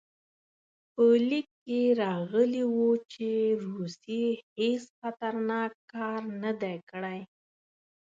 په لیک کې راغلي وو چې روسیې هېڅ خطرناک کار نه دی کړی.